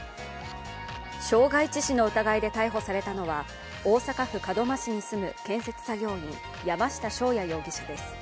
傷害致死の疑いで逮捕されたのは、大阪府門真市に住む建設作業員、山下翔也容疑者です。